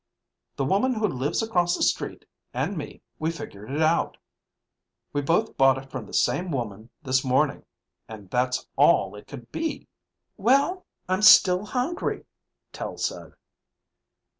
The woman who lives across the street and me, we figured it out. We both bought it from the same woman this morning, and that's all it could be. "Well, I'm still hungry," Tel said.